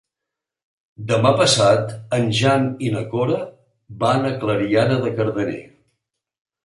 Demà passat en Jan i na Cora van a Clariana de Cardener.